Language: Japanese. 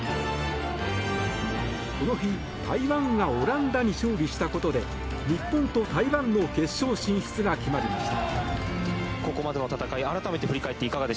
この日、台湾がオランダに勝利したことで日本と台湾の決勝進出が決まりました。